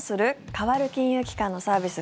変わる金融機関のサービス